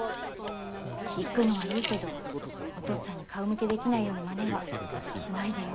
行くのはいいけどお父っつぁんに顔向けできないようなマネはしないでよ。